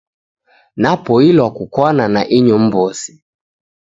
Napoilwa kukwana na inyo mw'ose